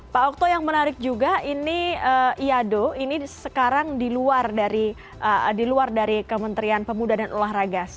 pak okto yang menarik juga ini iado ini sekarang di luar dari kementerian pemuda dan olahraga